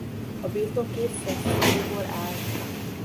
A birtok két sessioból állt.